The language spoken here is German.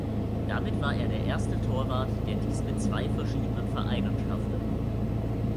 Damit war er der erste Torwart, der dies mit zwei verschiedenen Vereinen schaffte.